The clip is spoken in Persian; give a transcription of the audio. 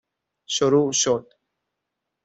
شروع شد